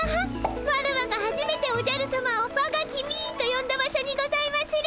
ワラワがはじめておじゃるさまを「わが君」とよんだ場所にございまする！